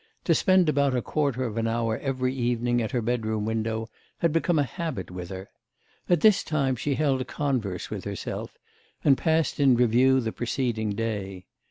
To spend about a quarter of an hour every evening at her bedroom window had become a habit with her. At this time she held converse with herself, and passed in review the preceding day.